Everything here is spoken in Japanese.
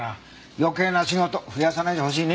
余計な仕事増やさないでほしいね。